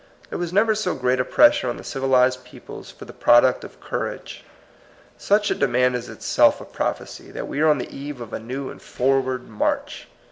There was never so great a pressure on the civilized peoples for the product of courage. Such a demand is itself a proph ecy that we are on the eve of a new and forward march.